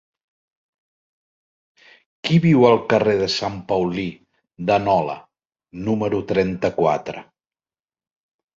Qui viu al carrer de Sant Paulí de Nola número trenta-quatre?